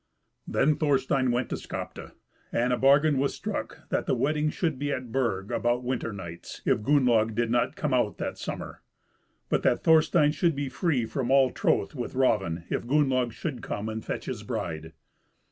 Then Thorstein went to Skapti, and a bargain was struck that the wedding should be at Burg, about winter nights, if Gunnlaug did not come out that summer; but that Thorstein should be free from all troth with Raven if Gunnlaug should come and fetch his bride.